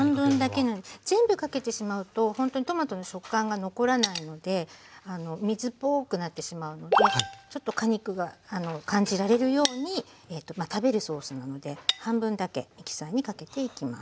全部かけてしまうとほんとにトマトの食感が残らないので水っぽくなってしまうのでちょっと果肉が感じられるようにまあ食べるソースなので半分だけミキサーにかけていきます。